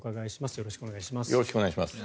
よろしくお願いします。